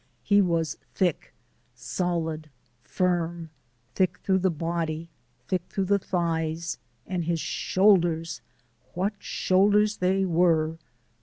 He was thick, solid, firm thick through the body, thick through the thighs; and his shoulders what shoulders they were!